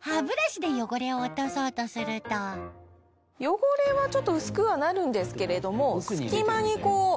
歯ブラシで汚れを落とそうとすると汚れはちょっと薄くはなるんですけれども隙間にこう。